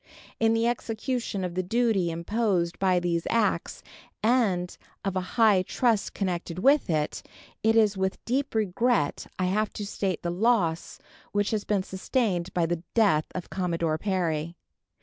In the execution of the duty imposed by these acts, and of a high trust connected with it, it is with deep regret I have to state the loss which has been sustained by the death of Commodore Perry.